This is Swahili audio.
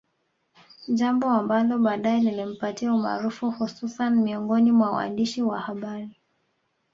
Jambo ambalo baadae lilimpatia umaarufu hususan miongoni mwa waandishi wa habari